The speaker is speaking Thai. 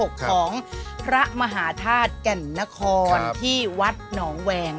ของพระมหาธาตุแก่นนครที่วัดหนองแวง